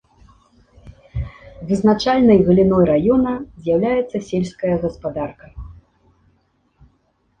Вызначальнай галіной раёна з'яўляецца сельская гаспадарка.